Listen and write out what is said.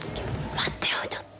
待ってよ、ちょっと。